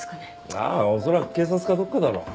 ああ恐らく警察かどっかだろう。